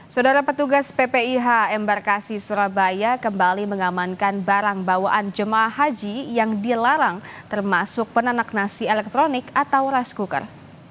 saudara petugas ppih embarkasi surabaya kembali mengamankan barang bawaan jemaah haji yang dilarang termasuk penanak nasi elektronik atau rice cooker